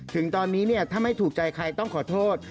ถึงตอนนี้เนี่ยถ้าไม่ถูกใจใครต้องขอโทษ